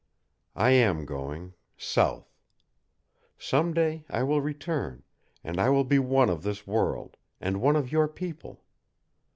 I am going south. Some day I will return, and I will be one of this world, and one of your people.